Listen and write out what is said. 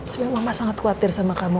sebenarnya mama sangat khawatir sama kamu